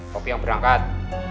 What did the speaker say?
popi yang berangkat